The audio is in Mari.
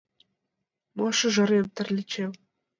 «Мо, шӱжарем, Тарлячем